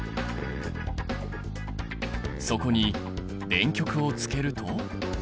そこに電極をつけると。